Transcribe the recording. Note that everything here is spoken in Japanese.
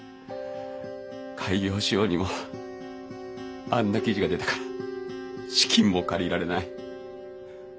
開業しようにもあんな記事が出たから資金も借りられない。